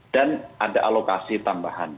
dan ada alokasi tambahan